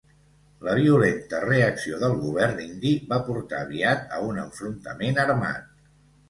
La violenta reacció del govern indi va portar aviat a un enfrontament armat.